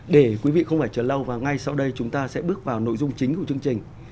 để quý vị không phải chờ lâu và ngay sau đây chúng ta sẽ bước vào nội dung chính của chương trình